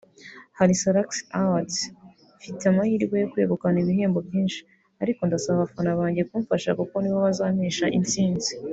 Hari Salax Awards mfite amahirwe yo kwegukana ibihembo byinshi ariko ndasaba abafana banjye kumfasha kuko nibo bazampesha insinzi